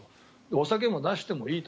お酒も出してもいいと。